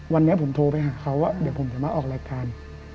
วันนี้ผมโทรไปหาเขาว่าเดี๋ยวผมจะมาออกรายการ